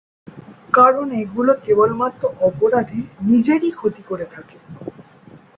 কারণ এগুলো কেবলমাত্র অপরাধীর নিজেরই ক্ষতি করে থাকে।